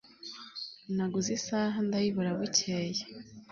naguze isaha ndayibura bukeye